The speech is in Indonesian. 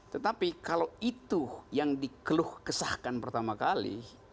tetapi kalau itu yang dikeluh kesahkan pertama kali